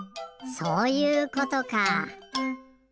そういうことか。